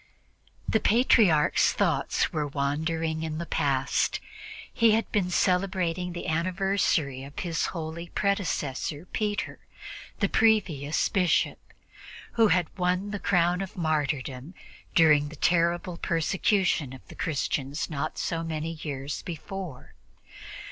The Patriarch's thoughts were wandering in the past. He had been celebrating the anniversary of his holy predecessor Peter, the previous Bishop, who had won the crown of martyrdom during the terrible persecution of the Christians not so many years before.